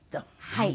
はい。